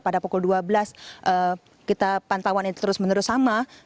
pada pukul dua belas kita pantauan itu terus menerus sama